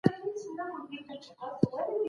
حقوقپوهان د مظلومانو د دفاع لپاره څه لیکي؟